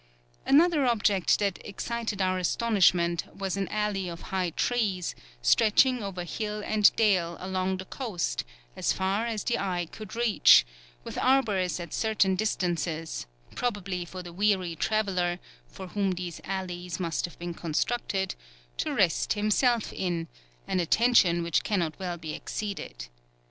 Another object that excited our astonishment was an alley of high trees, stretching over hill and dale along the coast, as far as the eye could reach, with arbours at certain distances, probably for the weary traveller for whom these alleys must have been constructed, to rest himself in, an attention which cannot well be exceeded.